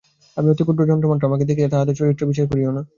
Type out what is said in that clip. আমি অতি ক্ষুদ্র যন্ত্রমাত্র, আমাকে দেখিয়া তাঁহার চরিত্রের বিচার করিও না।